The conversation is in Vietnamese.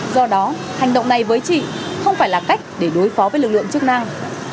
do đó hành động này với chị không phải là cách để đối phó với lực lượng chức năng